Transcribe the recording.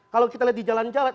kalau kita lihat di jalan jalan